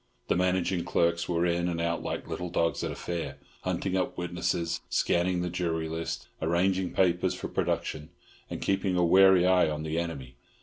The managing clerks were in and out like little dogs at a fair, hunting up witnesses, scanning the jury list, arranging papers for production, and keeping a wary eye on the enemy.